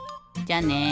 じゃあね。